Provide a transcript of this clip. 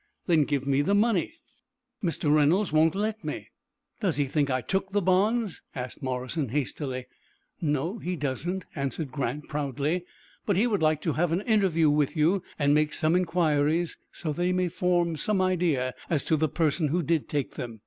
"Then give me the money." "Mr. Reynolds won't let me." "Does he think I took the bonds?" asked Morrison, hastily. "No, he doesn't," answered Grant, proudly, "but he would like to have an interview with you, and make some inquiries, so that he may form some idea as to the person who did take them.